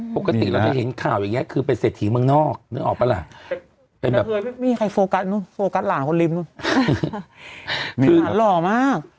ปกติเราจะเห็นข่าวอย่างเงี้ยคือเป็นเศรษฐีเมืองนอกนึกออกปะล่ะ